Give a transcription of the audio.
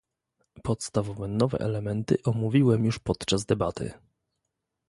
Podstawowe nowe elementy omówiłem już podczas debaty